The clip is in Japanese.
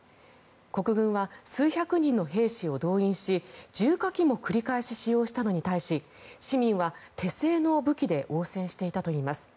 国軍は数百人の兵士を動員し重火器も繰り返し使用したのに対し市民は手製の武器で応戦していたといいます。